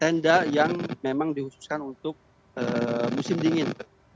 tenda yang memang dihususkan untuk musim dingin